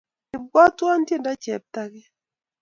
Ibwotwon tiendo cheptake